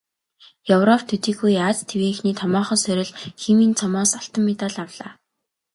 Европ төдийгүй Ази тивийнхний томоохон сорил "Химийн цом"-оос алтан медаль авлаа.